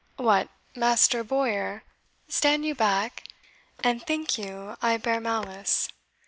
What, Master Bowyer, stand you back, and think you I bear malice?